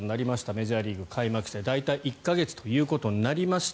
メジャーリーグ開幕して大体１か月ということになりました。